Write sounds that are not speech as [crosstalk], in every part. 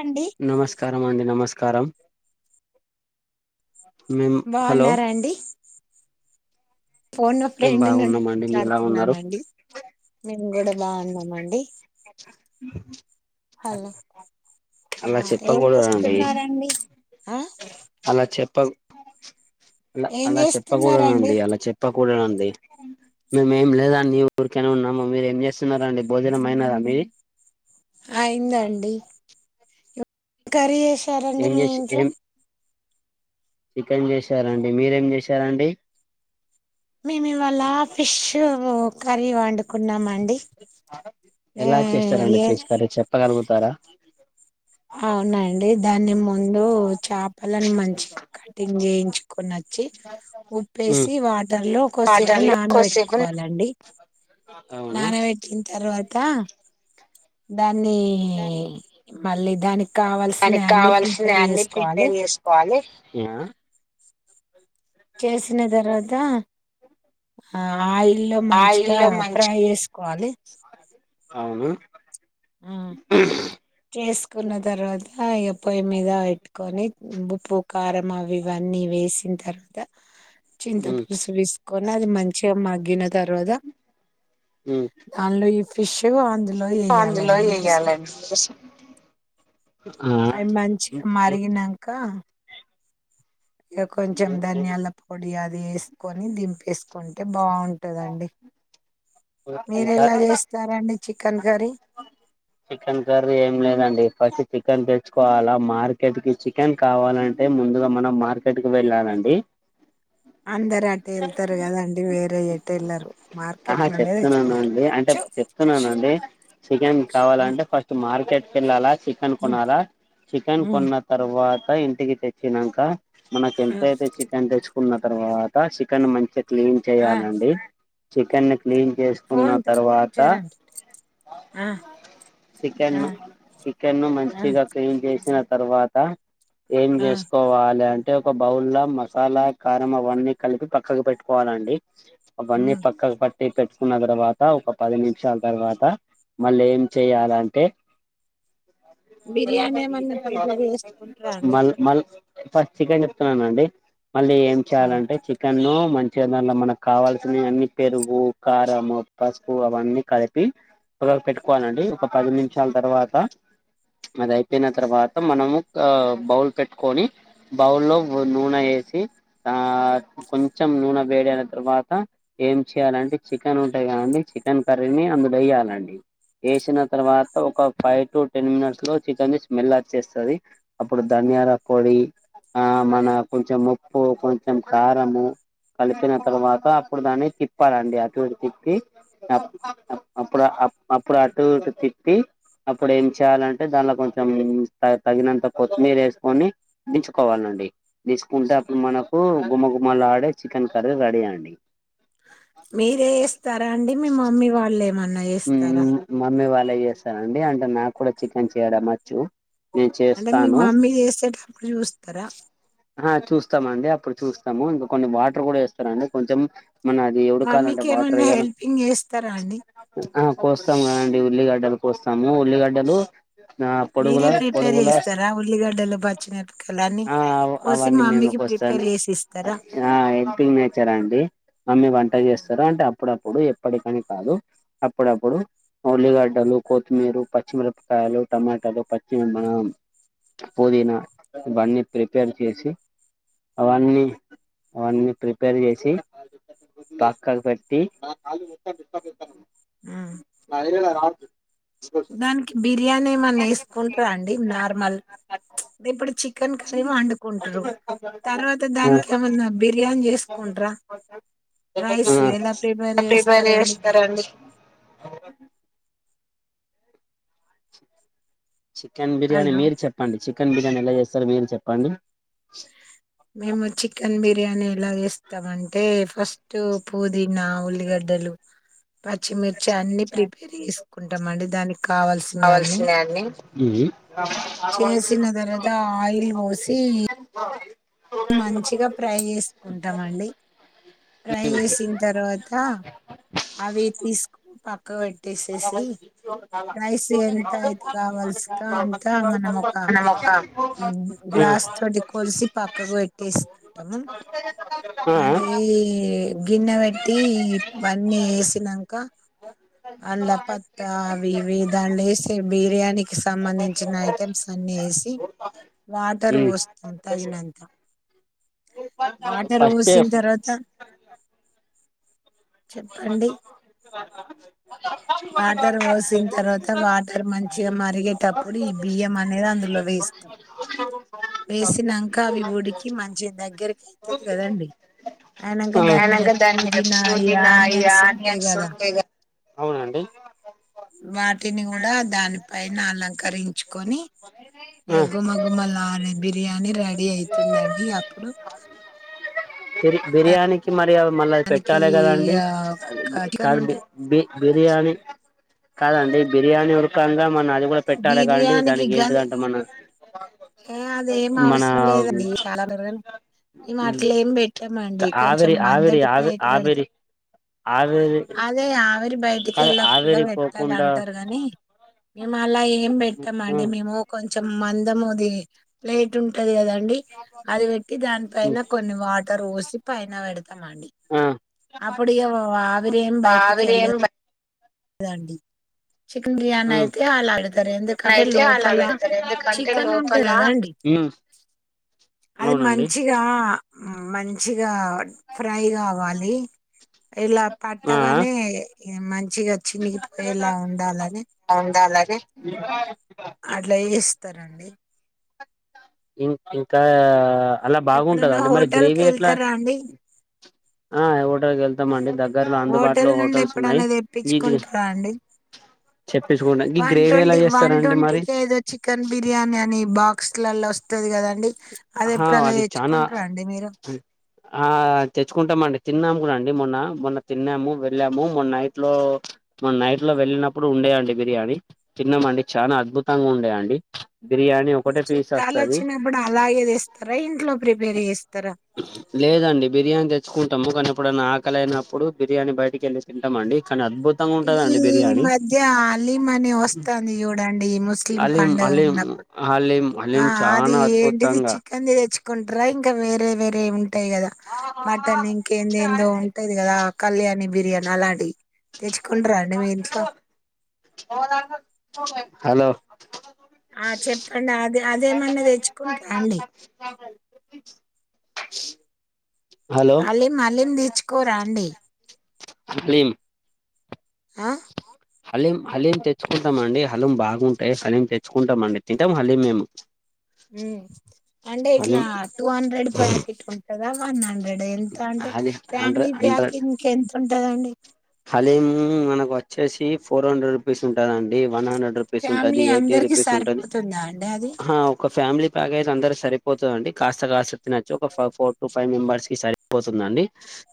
అండి నమస్కారం అడి నమస్ కారం బాగున్నారా అండి ఫోన్ ఎ మేము ఫ్రెండ్ నుండి బాగున్నామండి మీరు ఎలా ఉన్నారు మాట్లాడుతున్నానండి మేము కూడా బాగున్నాం అండి ఆ, అలా ఏం చెప్పకూడదండి చేస్తున్నారండి ఆ అలా చెప్ప ఓ [unintelligible] అలా ఏం అలా చేస్తున్నారండి చెప్పకూడదండి అలా చెప్పకూడదండి మేమేమి లేదండి ఊరికనే ఉన్నాము మీరు ఏం చేస్తున్నారా అండి భోజనమయినాదా మీది అయిందండి కర్రీ [unintelligible] త రండి ఏం మీ చేసి ఇంట్లో ఏం చికెన్ చేసారండి మీరేం చేశారండి మేం ఇవాళ ఫిష్ ఓ కర్రీ వండుకున్నామం ఎలా చేస్తారండి ఫిష్ కర్రీ చెప్పగలుగుతారా ఆ ఉన్నాయండి దాన్ని ముందు చాపలను మంచి కటింగ్ చేయించుకొని అచ్చి ఉప్పేసి వాటర్లో కొద్సేపు వాటర్లో కొద్దిసేపు నానబెట్టుకోవాలండి అవును నానా బెట్టింన్ తర్వా తా బా దానికి కావాల్సిన అన్ని ప్రిపేర్ చేసుకోవాలి అవునా చేసిన తర్వాత ఆ ఆయిల్లో మంచిగా ఆయిల్లో మంచి ఫ్రై చేసుకోవాలి. అవును హ్ చేస్ కున్న తర్వాతా ఇగ పొయ్యి మీద పెట్టుకొని ఉప్పు కారం అవి ఇవన్నీ వేసిన్ తర్వాత చింత ఉ పులుసు వేసుకొని అది మంచిగా మగ్గిన తర్వాత ఉ దానిలో ఈ ఫిష్ అందులో ఏయాలి [inaudible] అవి మంచిగా మరిగినంక ఇగ కొంచం ధనియాల పొడి అ వేసుకొని దింపేసుకుంటే బాగుంటుందండి. ఇంకా మీరెలా చేస్తారండి chicken curry chicken curry ఏం లేదండి ఫస్ట్ చికెన్ తెచ్చుకోవాలా మార్కెట్కి చికెన్ కావాలంటే ముందుగా మనం మార్కెట్కి వెళ్ళాలండి అందరు అటే ఎళ్తారు కదండి వేరే ఎటు ఎళ్లరు ఆహా చెప్తున్నానండి అంటే చెప్తున్నానండి చికెన్ ఉమ్, కావాలంటే ఫస్ట్ మార్కెట్ వెళ్ళాలా చికెన్ ఉమ్, కొనాలా చికెన్ ఉమ్, కొన్న తరువా ఇంటికి తెచ్చినంక మనకు ఉమ్, ఎంతయితే చికెన్ తెచ్ కున్న తర్వాత చికెన్ మంచి క్లీన్ ఆ చేయ్యాలండి చికెన్ క్లీన్ చేసుకున్న ఫోన్ తో- తర్వాత చూడండి ఆ ఆ చికెను చికెన్ ను ఆ మంచిగా క్లీన్ చేసిన తర్వాత ఏం ఆ చేసుకోవాలి అం అంటే ఒక బౌల్ మసాలా కారం అవన్నీ కలిపి పక్కకు పెట్టుకోవాలండి అవన్నీ ఉమ్. పక్కకి పె పెట్టుకున్న తర్వాత ఒక పది నిమిషాల తర్వాత మళ్ళ ఏం చేయాలంటే బిర్యానీ ఏమన్నా ప్రిపేర్ చేసుకుంటారా అండి మల్ మల్ ఫస్ట్ చికెన్ చెప్తున్నానండి మళ్ళీ ఏం అవును. చేయాలంటే చికెను మంచి ఏందన్నా మనకు కావాల్సినవి అన్ని పెరుగు కారం పసుపు అవన్నీ కలిపి ప వాలండి ఒక పది నిమిషాల తర్వాత అది అయిపోయిన తర్వాత మనము బౌల్ పెట్టుకొని బౌల్లో నూనె వేసి ఆ కొంచెం నూనె వేడిన తర్వాత ఏం చెయాలంటే చికెన్ ఉంటాయి కదండి చికెన్ కర్రీని అందులో వేయాలండి వేసిన తర్వాత ఒక ఫైవ్ టు టెన్ మినిట్స్ లో చికెన్ ది స్మెల్ వచ్చేస్తుంది అప్పుడు ధనియాల పొడి ఆ మన కొంచెం ఉప్పు కొంచెం కారము కలిపిన తర్వాత అప్పుడు దాన్ని తిప్పాలండి అటువంటి తిప్పి అప్పుడు అప్పుడు అటు ఇటు తిప్పి అప్పుడు ఏం చేయాలంటే దానిలో కొంచెం తగినంత కొత్తిమీర వేసుకొని దించుకోవాలండి దించుకుంటే అప్పుడు మనకు ఘుమఘుమలాడే చికెన్ కర్రీ రెడీ అండి మీరే ఇస్తారా అండి మీ మమ్మీ వాళ్ళే మమ్మేవారి చేస్తారు అంటే నాకు కూడా చికెన్ చేయడం వచ్చు నేను అంటే మీ చేస్తాను మమ్మీ చేసేటప్పుడు చూస్త చూస్తారా ఆ చూస్తామండి అప్పుడు చూస్తాము ఇంకా కొన్ని వాటర్ కూడా వస్తారండి కొంచెం మన అది ఎవడు కాాలంటే మమ్మీకి వాటర్ ఏమన్నా వయ్యాల హెల్పింగ్ చేస్తారా అండి ఆ కోస్తాం కదండి ఉల్లిగా గడ్డలు కోస్తాము ఉల్లిగడ్డలు ఆ పొడుగుల మీరే ప్రిపేర్ పొడుగుల చేస్తారా ఉల్లిగడ్డలో పచ్చిమిరపకాయలు అన్ని ఆ కోసి అవన్నీ మేము మమ్మీకి వస్తా ప్రిపేర్ చేసి ఇస్తారా ఆ హెల్పింగ్ నేచార అండి మమ్మీ వంట చేస్తారు అంటే అప్పుడు అప్పుడు ఎప్పటికని కాదు అప్పుడప్పుడు ఉల్లిగడ్డలు కొత్తిమీర పచ్చిమిరపకాయలు టమాటాలు పచ్చిమిమన పుదీనా ఇవన్నీ ప్రిపేర్ చేసి అవన్నీ అవన్నీ ప్రిపేర్ చేసి పక్కకు పెట్టి ఉమ్. ఆ ఏ రా దానికి బిర్యానీ ఏమన్నా వేసుకుంటారా అండి నార్మల్ ఇప్పుడు చికెన్ కర్రీ వండుకుంటారు తర్వాత దానికి ఏమన్నా బిర్యానీ చేసుకుంటార రైస్ ఎలా ప్రిపేర్ చేస్తారు అండి చికెన్ బిర్యానీ హలో మీరు చెప్పండి చికెన్ బిర్యా కేన్ ఎలా చేస్తారు మీరు చెప్పండి మేము చికెన్ బిర్యానీ ఎలా చేస్ తదంతే ఫస్ట్ పూదీనా ఉల్లిగడ్డలు పచ్చిమిర్చి అన్ని ప్రిపేర్ చేసుకుంటాం అండి దానికి కావాల్సినవి అన్ని చేసిన తర్వాత ఆయిల్ పోసి మంచిగా ఫ్రై చేసుకుంటాము అండి ఫ్రై చేసిన తర్వాత అవి తీసుక్ పక్కగ ట్టేసేసి రైస్ ఎంత అయితద వల్సుక అంతా మనం ఒక మనం ఆ గ్లాస్ తోటి కోల్సి పక్ క్కగా పెట్టేసుకుంటాము మంచిగి ఈ గిన్నె పెట్టివన్నీ వేసినాంక అలా పత్తావి ఇవి దాన్నేసి బిర్యాని సంబంధించిన ఐటెమ్స్ అన్ని వేసి వాటర్ పోస్తాం తగినం వాటర్ ఫస్ట్ పోసిన తర్వాత చెప్పండి వాటర్ పోసిన తర్వాత వాటర్ మంచిగా మరిగేటప్పుడు ఈ బియ్యం అనేది అందులో వేస్తాం వేసినాంక అవి ఊడికి మంచిగ దగ్గరికి ఐతది కదండి అయినాక దాని మీద అయినంక దాని మీద పుదీనా ఈ పుదీనాయి ఆనియన్స్ ఉంటాయి ఆనియన్స్ కదా ఉంటాయి గ వాటిని కూడా దాని పైన అలంకరిం చ్చుకొని ఆ ఇగ గుమగుమలాడి బిర్యానీ రెడీ అయితుందండి అప్పుడు కురి బిర్యాణికి మరియా మళ్ళ అది దానికి పెట్టాలి కదండి ఇగ చికెన్ కాదు బి ఉంటే బి బిర్యానీ కాదండి బిర్యానీ ఉరకంగా మన అది కూడా పెట్టాలి కాండి బిర్యానీకి మనకి గది ఏంటిదంట మన ఏ అదేం మన అవసరం లేదండి చాలా [unintelligible] ఈ మట్లేమ్ ఏమి పెట్టామండి కొంచెం ఆవిరి ఆవిరి మందటి ఆవి ప్లేట్ పెడతాం ఆవిరి ఆవేరి అదే ఆ మరి బయటికి కాదు వెళ్ళక కుడా ఫులా ఆవేరి పోకుండా పెట్టాలంటారు గానీ మేము అలా ఏం పె ంటా అండి మేము కొంచెం మందము ది లేటుంటది ఉంటది కదా డి అది పెట్టి దాని పన కొన్ని వాటర్ పోస్ పైన వెడు తమండి ఆ అప్పుడు ఇగ [inaudible] ఆవిరేం బయటికి ఆవిరి ఎళ ఏం అదాండి చికెన్ బిర్యానీ అయితే అలా ఆడతారు ఎందుకంటే అయితే అలా లోపల పెడతారు ఎందుకంటే చికెన్ ఉంటుంది లోపల కదండి ఉమ్ అది అవునండి మంచిగా మంచిగా ఫ్రై కావాలి ఇలా పట్టగానే మంచిగా చినిగిపోయేలా ఉండాలని అంద అలాగ అట్లా ఇస్తారంండి ఇం ఇంకా అలా బాగుంటంద ఎప్పుడైనా అండి మరి హోటల్ కి గ్రేవీ ఎట్లా వెళ్తారా అండి ఆ హోటల్కి వెళ్తామండి దగ్గరలో అందుబాటులో హోటల్ నుండి హోటల్స్ ఎప్పుడూ ఉన్నాయి అయినా ఈ తేప్పించుకుంటార అండి చెప్పేసుకుంటా ఈ వన్ గ్రేవీ ఎలా ట్వంటీ వన్ చేస్తారండి ట్వంటీ మరి కే ఏదో చికెన్ బిర్యానీ అని బాక్స్ ఇట్లల వస్తుది కదండి అది ఆహా ఎప్పుడన్న చానా తెచ్చుకుంటార అండి మీరు ఆ తెచ్చుకుంటామండి తిన్నాము కూడా అండి మొన్న మొన్న తిన్నాము వెళ్ళాము మొన్న నైట్ లో మొన్న నైట్ లో వెళ్ళినప్పుడు ఉండేయంండి బిర్యానీ తిన్నామండి చాలా అద్భుతంగా ఉండేయంండి బిర్యానీ ఒకటే పీస్ వస్తుంది తాగదిస్తారా ఇంట్లో ప్రిపేర్ చేస్త లేదండి బిర్యానీ తెచ్చుకుంటాము కానీ అప్పుడున్న ఆకలి అనప్పుడు బిర్యానీ బయటికి వెళ్ళి తింటామండి కానీ అద్భుతంగా ఉంటదండి ఈ బిర్యానీ మధ్య హలీం అని వస్తుంది చూడండి ఈ ముస్లిం అలీం పండుగ అలీం ఉన్నప్పుడు హలీం హలీం ఆ అది చానా ఏంటిది అద్భుతంగా చికెన్ ది తెచ్చు టారా ఇంకా వేరే వేరే ఉన్న ఉంటాయి కదా మటన్ ఇంకా ఏదేదేదో ఉంటైది కదా కళ్యాణి బిర్యానా లాడి హలో ఆ చెప్పండి అది అదేమన్నా తెచ్చుకుంట్రా అండి హలో హలీం హలీం తెచ్చుకోరా అండి హలీం ఆ హలీం హలీం తెచ్చుకుంటాంమండి హలం బాగుంటాయి హలీం తెచ్చుకుంటామండి తింటాము హలీం మేము మ్మ్ అంటే ఇట్లా హలీం టూ హండ్రెడ్ ప్యాకిట్ ఉంటదా వన్ హండ్రెడ్ ఎంత అంటే అది హండ్రెడ్ ఫ్యామిలీ ప్యాక్ హండ్రెడ్ ఇంక ఎంతున్ టదండి హలీం మనకు వచ్చేసి ఫోర్ హండ్రెడ్ రూపీస్ ఉంటదండి వన్ హండ్రెడ్ హండ్రెడ్ రూపీస్ ఉంటది ఫ్యామిలీ ఎయిటి అందరికి రుపీస్ ఉంటది సరిపోతుందా అండి అది హా ఒక ఫ్యామిలీ ప్యాకేజ్ అందరికీ సరిపోతదండి కాస్త కాస్త తినచ్చు ఒక ఫ ఫోర్ టు ఫైవ్ మెంబర్స్ కి సరిపోతుందండి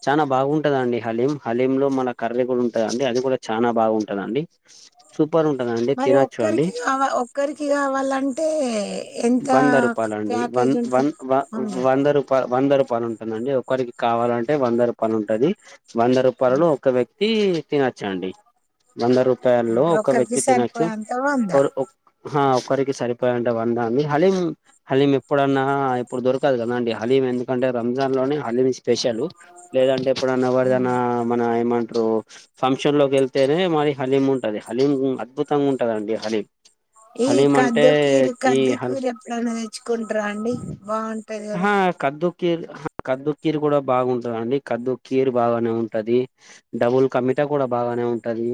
చానా బాగుంటదండి హలీం హలీమ్ లో మన కర్రీ కూడా ఉంటదండి అది కూడా చానా బాగుంటదండి సూ మరి ఒక్కరికి కావాల ఒక్కరికి కావాలంటే ఎంత వంద రూపాయలండి వన్ ప్యాకేజ్ ఉంటది అండి పరు ఉంటుందండి ఒకరికి కావాలంటే వంద రూపాయలు ఉంటది వంద ఉమ్, రూపాయలో ఒక వ్య తీ తనచ్చ అండి వంద రూపాయల్లో ఒక ఒక్కరికి వ్యక్తి తినొచ్చు సరిపోయేంత వంద ఓ హా ఓ ఒకరికి సరిపోయే వంద హలీం హలీం ఎప్పుడన్నా ఇప్పుడు దొరకదు కదండీ హలీం ఎందుకంటే రంజాన్ లోనే హలీం స్పెషల్ లేదంటే ఎప్పుడన్న ఉమ్. వాడిదనా మన ఏమ ఇప్పుడు ఫంక్షన్ లోకి వెళ్తేనే మరి హలీం ఉంటది హలీం అద్భుతంగా ఉంటదండి హలీం ఈ హలీం అంటే కద్దు కీరు ఈ హ కద్దికూర ఎప్పుడన్నా తెచ్చుకుంట్రా అండి బాగుంటది కదా కీరు కద్దు కీరు కూడా బాగుంటదండి కద్దు కీరు బాగానే ఉంటది డబుల్ కమిటా కూడా బాగానే ఉంటది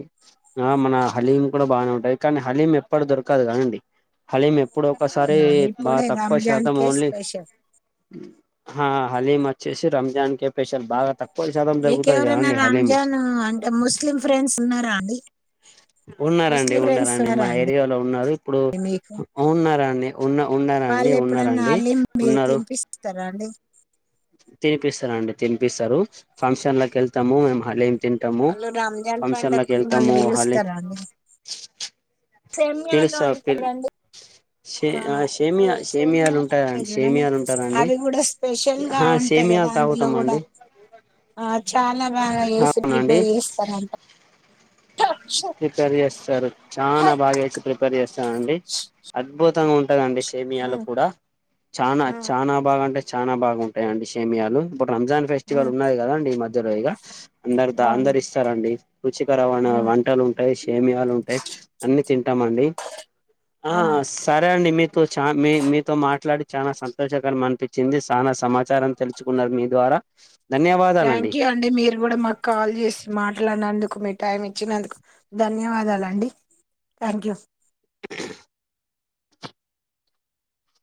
ఆ మన హలీం కూడా బాగానే ఉంటది కానీ హలీం ఎప్పుడు దొరకదు కదండి హలీం ఎప్పుడు ఒకసారి అవునవును బాగా ఇప్పుడే తక్కువ రంజాన్ శాతం కే ఓన్లీ స్పెషల్ హా హలీం వచ్చేసి రంజాన్ కే స్పెషల్ బాగా తక్కువ శాతం దొరుకుతాయి మీకెవరైనా కదండి హలీము రంజాన్ అంటే ముస్లిం ఫ్రెండ్స్ ఉన్నారా అండి ఉన్నారండి ముస్లిం ఫ్రెండ్స్ ఉన్నారండి మా ఉన్నారా అండి ఏరియాలో ఉన్నారు ఇప్పుడు మీకు ఉన్నారండి ఉన్న ఉన్నారండి వాళ్ళు ఉన్నారండి ఉన్నారు రాండి తినిపిస్తారండి తినిపిస్తారు ఫంక్షన్ లోకి వెళ్తాము మేము హలీం తింటాము వాళ్ళు రంజాన్ ఫంక్షన్ లకి పండగకు మళ్ళీ వెళ్తాము హలీం సేమయాలు పిలుస్తా పిల్ అంటరండి షే ఆ ఇప్పుడు షేమియా షేమియాలు సేమ్యాలు అని అంటరు ఉంటాయండి చూడండి షేమియాలు ఉంటారండి అవి కూడా స్పెషల్ గా ఆ ఉంటాయి కదా సేమియాలు అందులో కూడా తాగుతామండి ఆ చాలా బాగా వేసి అవునండి ప్రిపేర్ చేస్తారంట ప్రిపేర్ చేస్తరు చానా బాగా చేసి ప్రిపేర్ చేస్ చనండి అద్భుతంగా ఉం వుంటాదండి సేమియాలు ఉమ్, కూడా చనా ఉమ్, చాన బాగా అంటే చానా బాగుంటాయిండి షేమియాలు ఇప్పు రంజాన్ ఫెస్టివల్ ఉమ్, ఉన్నా కదండి ఇ మ తురయగా అందరు ద అవును అందరు ఇస్తారండి రుచికరవాణ ఉమ్, వంట ట ఉంటాయి షేమియాలు ఉంటాయి అన్ని తింటామ అండి ఆ సరే అండి మీ మీతో చా మీ మీతో మాట్లాడి చాలా సంతోషకర అనిపించింది సానా సమాచారం తెలుచుకున్నారు మీ ద్వారా ధన్యవాదాలండి థ్యాంక్ యూ అండి మీరు కూడా మా కాల్ చేసి మాట్లాడినందుకు మి టైం ఇచ్చినందుకు ధన్యవాదాలండి థ్యాంక్ యూ